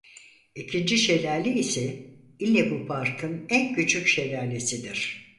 İkinci şelale ise ile bu parkın en küçük şelalesidir.